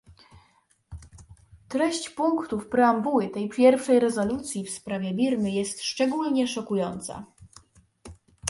Treść punktów preambuły tej pierwszej rezolucji w sprawie Birmy jest szczególnie szokująca